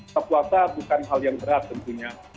buka puasa bukan hal yang berat tentunya